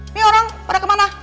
ini orang pada kemana